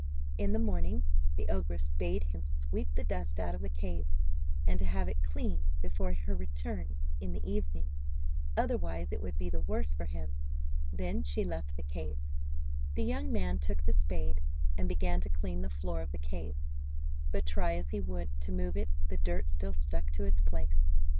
In the morning, the ogress bade him sweep the dust out of the cave, and to have it clean before her return in the evening, otherwise it would be the worse for him. Then she left the cave. The young man took the spade, and began to clean the floor of the cave, but try as he would to move it the dirt still stuck to its place.